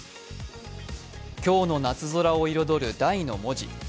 京の夏空を彩る「大」の文字。